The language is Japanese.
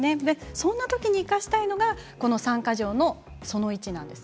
そんなときに生かしたいのが３か条のその１です。